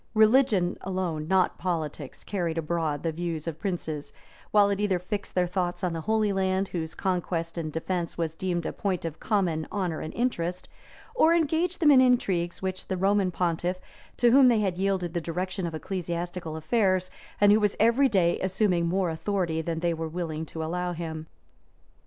Religion alone, not politics, carried abroad the views of princes, while it either fixed their thoughts on the Holy Land, whose conquest and defence was deemed a point of common honor and interest, or engaged them in intrigues with the Roman pontiff, to whom they had yielded the direction of ecclesiastical affairs, and who was every day assuming more authority than they were willing to allow him.